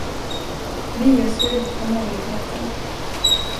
Vi gör slut på manligheten.